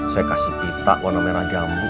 saya kasih pita warna merah jambu